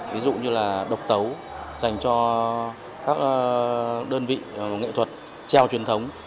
ví dụ như là độc tấu dành cho các đơn vị nghệ thuật treo truyền thống